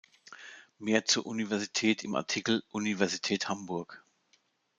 Mehr zur Universität im Artikel "Universität Hamburg".